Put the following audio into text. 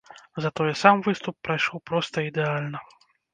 Затое сам выступ прайшоў проста ідэальна.